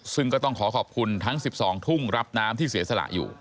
ซึ่งก็ต้องขอขอบคุณทั้ง๑๒ทุ่งรับน้ำที่เสียสละอยู่